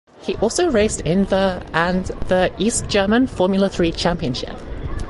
He also raced in the and the East German Formula Three Championship.